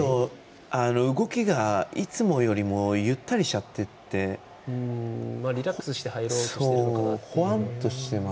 動きがいつもよりもゆったりしちゃっててリラックスして入ろうとしてるのかな。